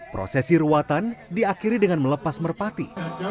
prosesi ruatan diakhiri dengan melepas merpati